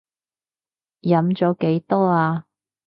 飲咗幾多呀？